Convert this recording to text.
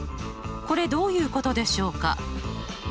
これどういうことでしょうか？